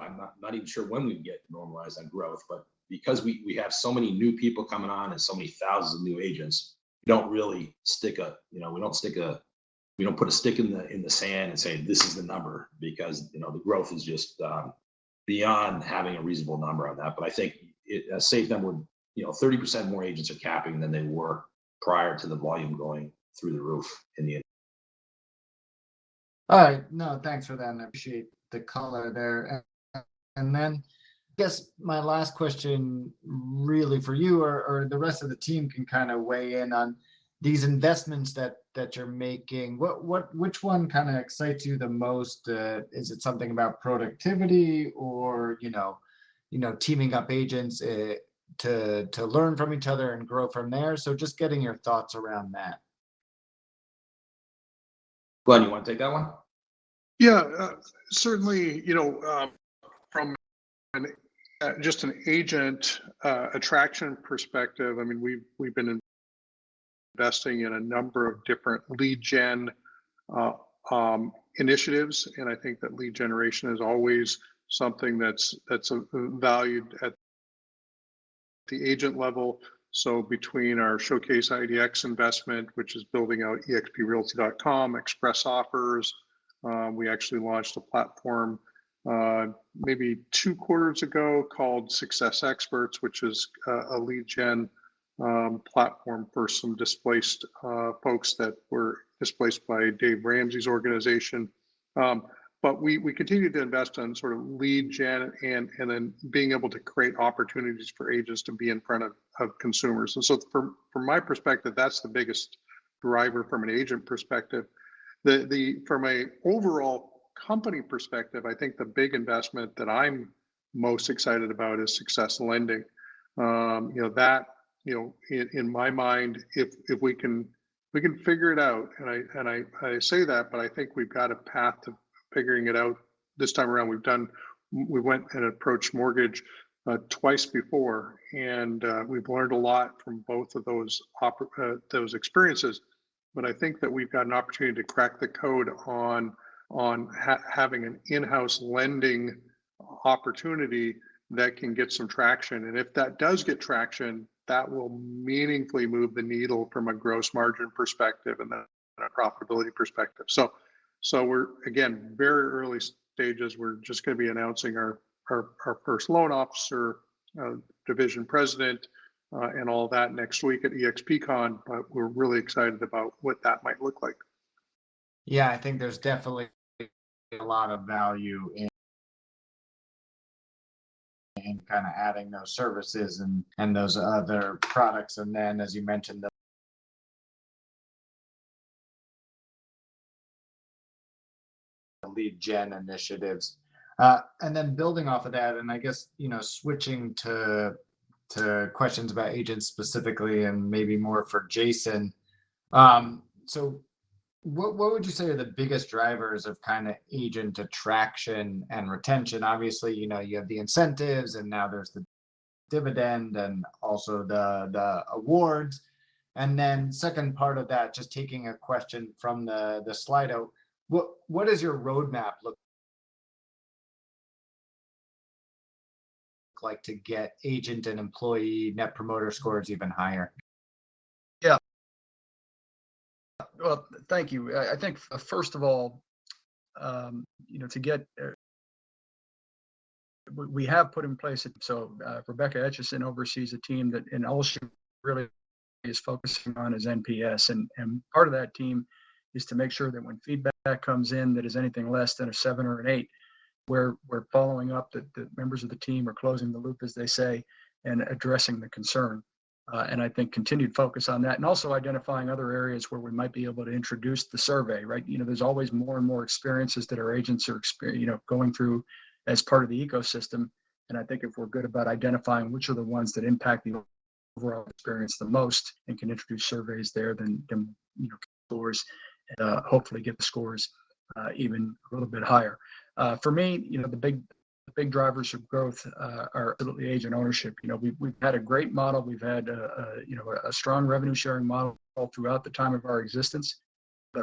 I'm not even sure when we'd get normalized on growth. Because we have so many new people coming on and so many thousands of new agents, we don't really put a stick in the sand and say, "This is the number," because, you know, the growth is just beyond having a reasonable number on that. I think a safe number, you know, 30% more agents are capping than they were prior to the volume going through the roof in the All right. No, thanks for that, and I appreciate the color there. Then I guess my last question really for you or the rest of the team can kind of weigh in on these investments that you're making. Which one kind of excites you the most? Is it something about productivity or, you know, teaming up agents to learn from each other and grow from there? Just getting your thoughts around that. Glenn, you wanna take that one? Yeah. Certainly, you know, from just an agent attraction perspective, I mean, we've been investing in a number of different lead gen initiatives, and I think that lead generation is always something that's valued at the agent level. Between our Showcase IDX investment, which is building out exprealty.com, ExpressOffers. We actually launched a platform maybe two quarters ago called Success Experts, which is a lead gen platform for some displaced folks that were displaced by Dave Ramsey's organization. But we continue to invest in sort of lead gen and then being able to create opportunities for agents to be in front of consumers. From my perspective, that's the biggest driver from an agent perspective. From an overall company perspective, I think the big investment that I'm most excited about is SUCCESS Lending. You know that you know in my mind if we can figure it out, and I say that, but I think we've got a path to figuring it out this time around. We went and approached mortgage twice before, and we've learned a lot from both of those experiences. I think that we've got an opportunity to crack the code on having an in-house lending opportunity that can get some traction. If that does get traction, that will meaningfully move the needle from a gross margin perspective and a profitability perspective. We're again very early stages. We're just gonna be announcing our first loan officer division president, and all that next week at EXPCON. We're really excited about what that might look like. Yeah, I think there's definitely a lot of value in kind of adding those services and those other products. As you mentioned, the lead gen initiatives. Building off of that, I guess, you know, switching to questions about agents specifically and maybe more for Jason. What would you say are the biggest drivers of kind of agent attraction and retention? Obviously, you know, you have the incentives and now there's the dividend and also the awards. Second part of that, just taking a question from the Slido, what does your roadmap look like to get agent and employee net promoter scores even higher? Yeah. Well, thank you. I think first of all, you know, to get. We have put it in place. Rebecca Etchison oversees a team that, and all she really is focusing on is NPS. Part of that team is to make sure that when feedback comes in that is anything less than a seven or an eight, we're following up. The members of the team are closing the loop, as they say, and addressing the concern. I think continued focus on that, and also identifying other areas where we might be able to introduce the survey, right? You know, there's always more and more experiences that our agents are going through as part of the ecosystem. I think if we're good about identifying which are the ones that impact the overall experience the most and can introduce surveys there, then you know, hopefully get the scores even a little bit higher. For me, you know, the big drivers of growth are absolutely agent ownership. You know, we've had a great model. We've had you know, a strong revenue sharing model all throughout the time of our existence.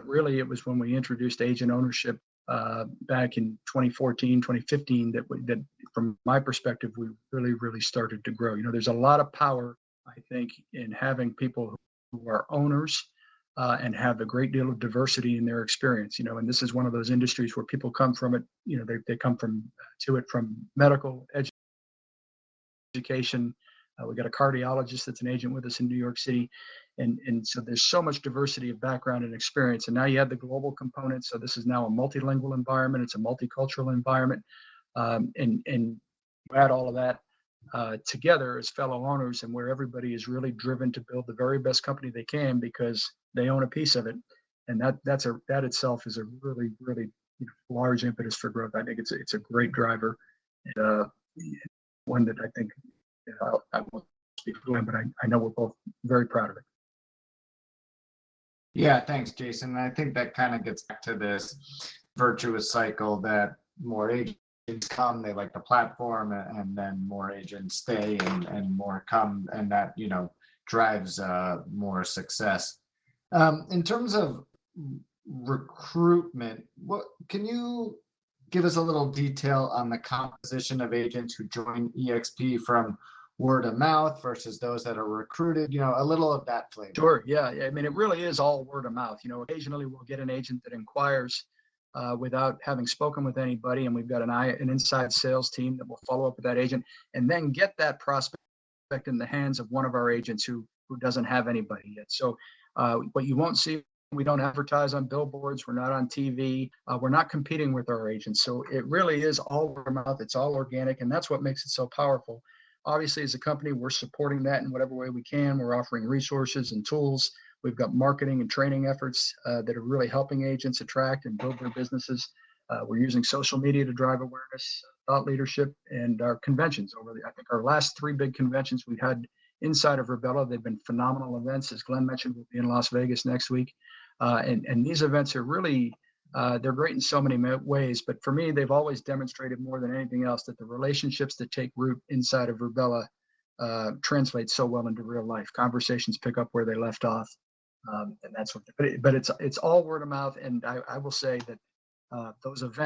Really it was when we introduced agent ownership back in 2014, 2015 that from my perspective, we really started to grow. You know, there's a lot of power, I think, in having people who are owners and have a great deal of diversity in their experience, you know. This is one of those industries where people come from, you know, they come to it from medical education. We've got a cardiologist that's an agent with us in New York City. There's so much diversity of background and experience. Now you add the global component, so this is now a multilingual environment. It's a multicultural environment. Add all of that together as fellow owners and where everybody is really driven to build the very best company they can because they own a piece of it, and that itself is a really large impetus for growth. I think it's a great driver, and one that I think, you know, I won't speak for Glenn, but I know we're both very proud of it. Yeah. Thanks, Jason. I think that kind of gets back to this virtuous cycle that more agents come, they like the platform, and then more agents stay and more come, and that, you know, drives more success. In terms of recruitment, what can you give us a little detail on the composition of agents who join eXp from word of mouth versus those that are recruited? You know, a little of that flavor. Sure, yeah. I mean, it really is all word of mouth. You know, occasionally we'll get an agent that inquires without having spoken with anybody, and we've got an inside sales team that will follow up with that agent and then get that prospect in the hands of one of our agents who doesn't have anybody yet. What you won't see, we don't advertise on billboards. We're not on TV. We're not competing with our agents, so it really is all word of mouth. It's all organic, and that's what makes it so powerful. Obviously, as a company, we're supporting that in whatever way we can. We're offering resources and tools. We've got marketing and training efforts that are really helping agents attract and build their businesses. We're using social media to drive awareness, thought leadership, and our conventions. Over the I think our last three big conventions we've had inside of Virbela, they've been phenomenal events. As Glenn mentioned, we'll be in Las Vegas next week. These events are really, they're great in so many ways, but for me, they've always demonstrated more than anything else that the relationships that take root inside of Virbela translate so well into real life. Conversations pick up where they left off. It's all word of mouth. I will say that,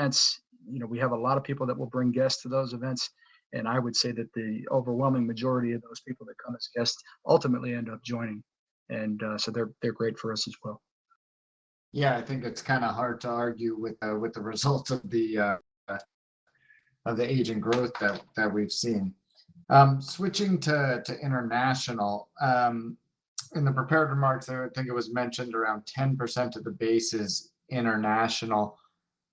you know, we have a lot of people that will bring guests to those events, and I would say that the overwhelming majority of those people that come as guests ultimately end up joining. They're great for us as well. Yeah, I think it's kinda hard to argue with the results of the agent growth that we've seen. Switching to international, in the prepared remarks, I think it was mentioned around 10% of the base is international.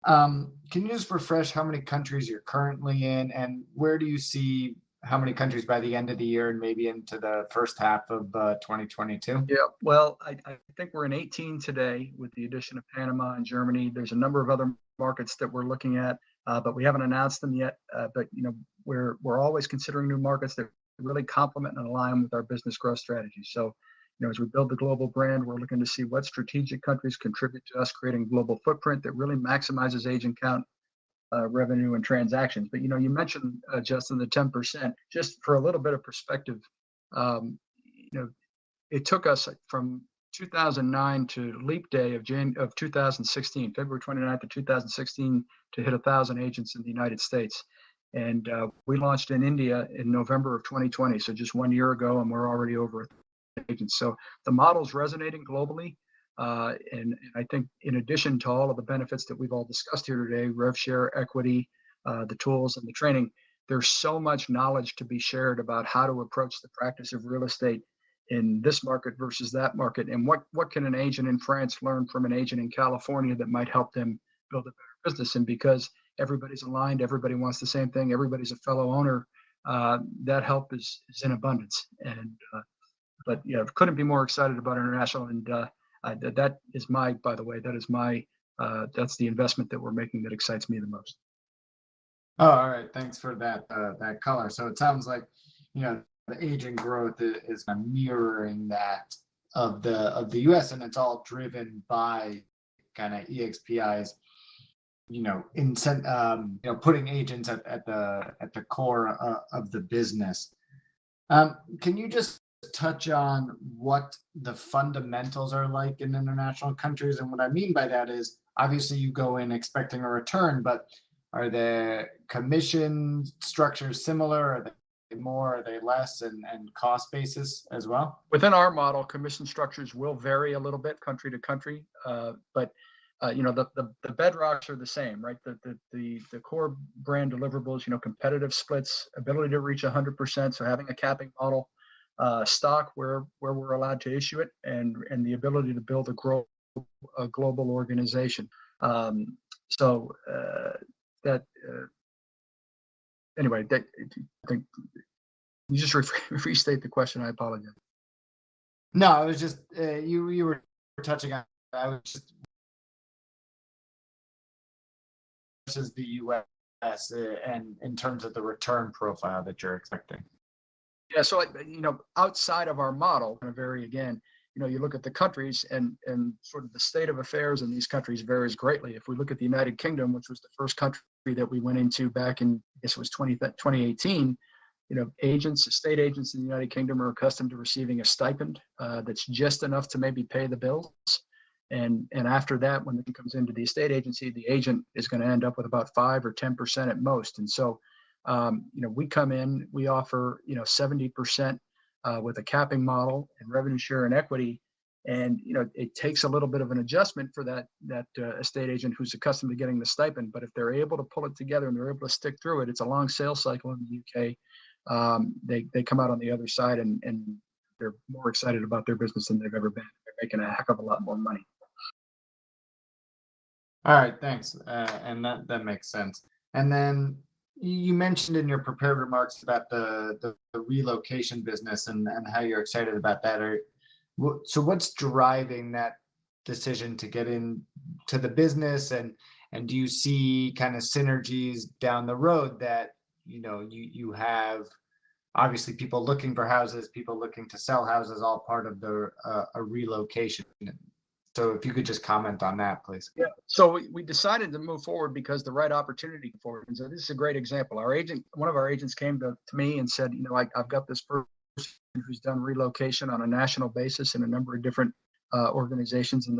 Can you just refresh how many countries you're currently in and where do you see how many countries by the end of the year and maybe into the first half of 2022? Yeah. Well, I think we're in 18 today with the addition of Panama and Germany. There's a number of other markets that we're looking at, but we haven't announced them yet. You know, we're always considering new markets that really complement and align with our business growth strategy. You know, as we build the global brand, we're looking to see what strategic countries contribute to us creating global footprint that really maximizes agent count, revenue and transactions. You know, you mentioned, Justin, the 10%. Just for a little bit of perspective, you know, it took us from 2009 to leap day of 2016, February 29th of 2016, to hit 1,000 agents in the United States, and we launched in India in November of 2020, so just one year ago and we're already over 1,000 agents. The model's resonating globally. I think in addition to all of the benefits that we've all discussed here today, rev share, equity, the tools and the training, there's so much knowledge to be shared about how to approach the practice of real estate in this market versus that market, and what can an agent in France learn from an agent in California that might help them build a better business? Because everybody's aligned, everybody wants the same thing, everybody's a fellow owner, that help is in abundance. You know, couldn't be more excited about international and that is the investment that we're making that excites me the most. Oh, all right. Thanks for that color. So it sounds like, you know, the agent growth is mirroring that of the U.S. and it's all driven by kinda eXp's, you know, putting agents at the core of the business. Can you just touch on what the fundamentals are like in international countries? What I mean by that is, obviously you go in expecting a return, but are the commission structures similar? Are they more, are they less? And cost basis as well. Within our model, commission structures will vary a little bit country to country. You know, the bedrocks are the same, right? The core brand deliverables, you know, competitive splits, ability to reach 100%, so having a capping model, stock where we're allowed to issue it and the ability to build a global organization. Anyway, that, I think. Can you just restate the question? I apologize. No, it was just, this is the U.S., and in terms of the return profile that you're expecting. Yeah. Like, you know, outside of our model, and it varies again, you know, you look at the countries and sort of the state of affairs in these countries varies greatly. If we look at the United Kingdom, which was the first country that we went into back in, I guess it was 2018, you know, agents, estate agents in the United Kingdom are accustomed to receiving a stipend that's just enough to maybe pay the bills. And after that, when it comes into the estate agency, the agent is gonna end up with about 5% or 10% at most. You know, we come in, we offer, you know, 70% with a capping model and revenue share and equity. You know, it takes a little bit of an adjustment for that estate agent who's accustomed to getting the stipend, but if they're able to pull it together and they're able to stick through it's a long sales cycle in the U.K., they come out on the other side and they're more excited about their business than they've ever been. They're making a heck of a lot more money. All right, thanks. That makes sense. You mentioned in your prepared remarks about the relocation business and how you're excited about that. What's driving that decision to get into the business, and do you see kind of synergies down the road that, you know, you have obviously people looking for houses, people looking to sell houses, all part of a relocation? If you could just comment on that, please. Yeah. We decided to move forward because the right opportunity for it. This is a great example. Our agent, one of our agents came to me and said, "You know, I've got this person who's done relocation on a national basis in a number of different organizations." You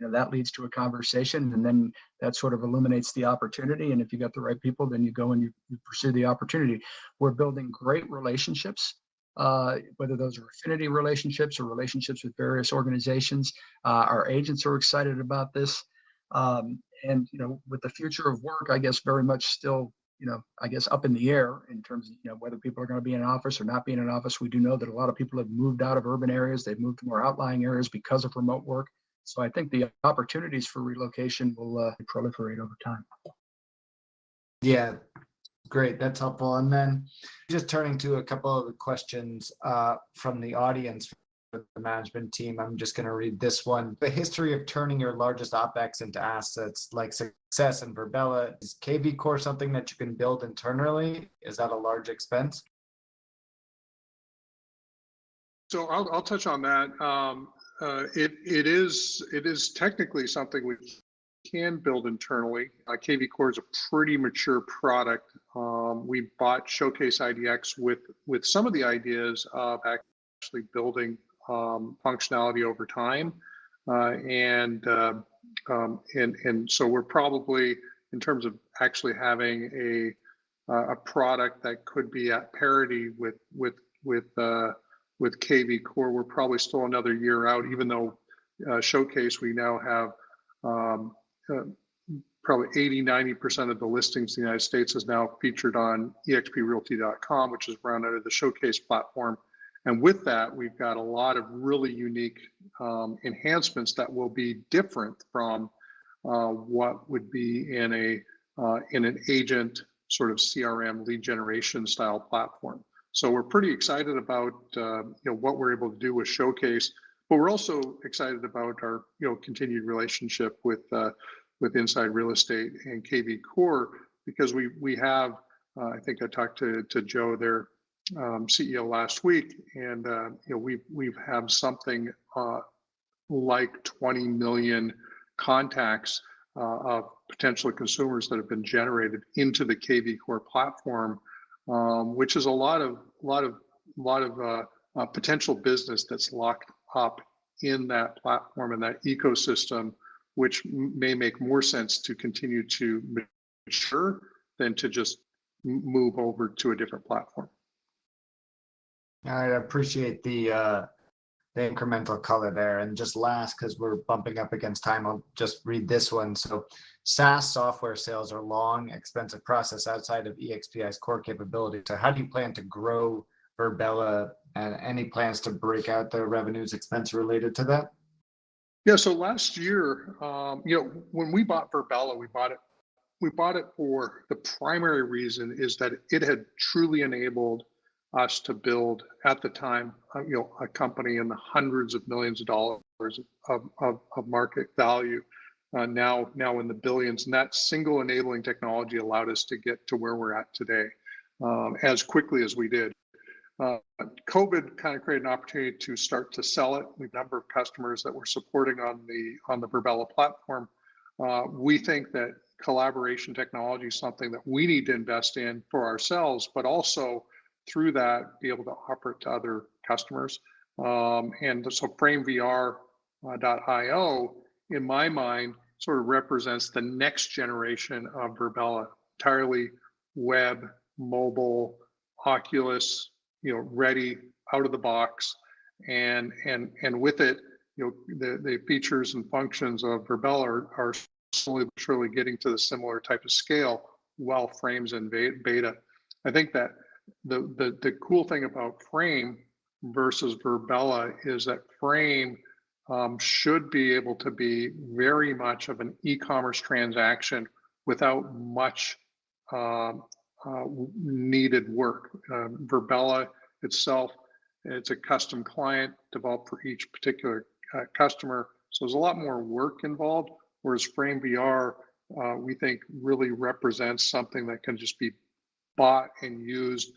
know, that leads to a conversation, and then that sort of illuminates the opportunity. If you got the right people, then you go and you pursue the opportunity. We're building great relationships, whether those are affinity relationships or relationships with various organizations. Our agents are excited about this. You know, with the future of work, I guess very much still, you know, I guess up in the air in terms of, you know, whether people are gonna be in an office or not be in an office. We do know that a lot of people have moved out of urban areas. They've moved to more outlying areas because of remote work. I think the opportunities for relocation will proliferate over time. Yeah. Great. That's helpful. Just turning to a couple other questions, from the audience, from the management team. I'm just gonna read this one. The history of turning your largest OpEx into assets like SUCCESS and Virbela, is kvCORE something that you can build internally? Is that a large expense? I'll touch on that. It is technically something we can build internally. kvCORE is a pretty mature product. We bought Showcase IDX with some of the ideas of actually building functionality over time. We're probably, in terms of actually having a product that could be at parity with kvCORE, still another year out, even though Showcase, we now have probably 80%-90% of the listings in the United States now featured on exprealty.com, which is run out of the Showcase platform. With that, we've got a lot of really unique enhancements that will be different from what would be in an agent sort of CRM lead generation style platform. We're pretty excited about, you know, what we're able to do with Showcase, but we're also excited about our, you know, continued relationship with Inside Real Estate and kvCORE because we have. I think I talked to Joe, their CEO last week, and, you know, we have something like 20 million contacts of potential consumers that have been generated into the kvCORE platform, which is a lot of potential business that's locked up in that platform and that ecosystem, which may make more sense to continue to mature than to just move over to a different platform. I appreciate the incremental color there. Just last, 'cause we're bumping up against time, I'll just read this one. SaaS software sales are long, expensive process outside of eXp's core capability. How do you plan to grow Virbela, and any plans to break out the revenues expense related to that? Yeah. Last year, you know, when we bought Virbela, we bought it for the primary reason is that it had truly enabled us to build at the time, you know, a company in the hundreds of millions of dollars of market value, now in the billions. That single enabling technology allowed us to get to where we're at today, as quickly as we did. COVID kind of created an opportunity to start to sell it. The number of customers that we're supporting on the Virbela platform, we think that collaboration technology is something that we need to invest in for ourselves, but also through that, be able to offer it to other customers. framevr.io in my mind, sort of represents the next generation of Virbela. Entirely web, mobile, Oculus, you know, ready out of the box. With it, you know, the features and functions of Virbela are slowly but surely getting to the similar type of scale while Frame's in beta. I think that the cool thing about Frame versus Virbela is that Frame should be able to be very much of an e-commerce transaction without much needed work. Virbela itself, it's a custom client developed for each particular customer. So there's a lot more work involved. Whereas Frame VR, we think really represents something that can just be bought and used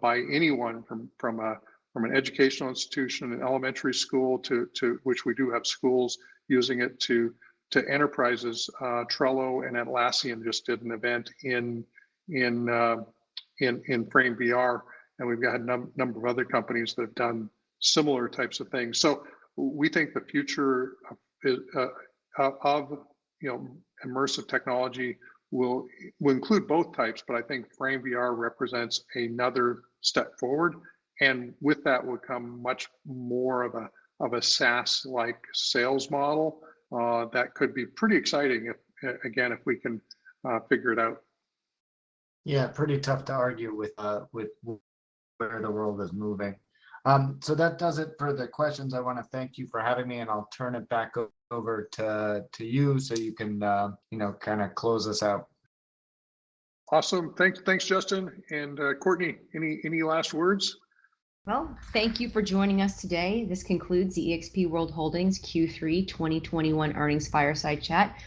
by anyone from an educational institution, an elementary school to which we do have schools using it to enterprises. Trello and Atlassian just did an event in FRAME, and we've got a number of other companies that have done similar types of things. We think the future of you know immersive technology will include both types, but I think FRAME represents another step forward, and with that would come much more of a SaaS-like sales model that could be pretty exciting if again if we can figure it out. Yeah, pretty tough to argue with where the world is moving. That does it for the questions. I wanna thank you for having me, and I'll turn it back over to you, so you can you know, kinda close us out. Awesome. Thanks, Justin. Courtney, any last words? Well, thank you for joining us today. This concludes the eXp World Holdings Q3 2021 Earnings Fireside Chat.